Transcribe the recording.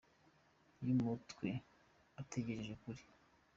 y’umutwe utagejeje kuri.